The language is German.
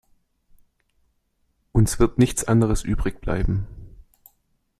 Uns wird nichts anderes übrig bleiben.